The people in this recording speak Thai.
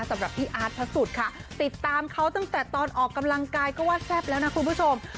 สำหรับพี่อาร์ตพระสุทธิ์ค่ะติดตามเขาตั้งแต่ตอนออกกำลังกายก็ว่าแซ่บแล้วนะคุณผู้ชม